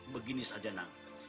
begini saja nang